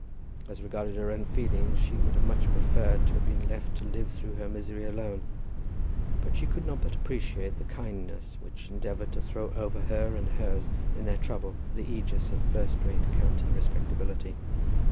As regarded her own feelings, she would much have preferred to have been left to live through her misery alone; but she could not but appreciate the kindness which endeavoured to throw over her and hers in their trouble the ægis of first rate county respectability.